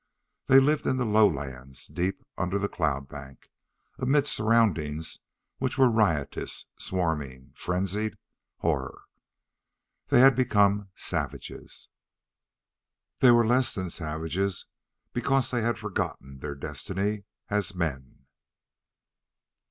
They lived in the lowlands, deep under the cloud bank, amid surroundings which were riotous, swarming, frenzied horror. They had become savages. They were less than savages, because they had forgotten their destiny as men.